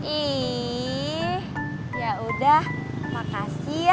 ih yaudah makasih ya